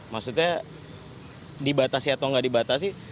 maksudnya dibatasi atau nggak dibatasi